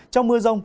trong mưa rông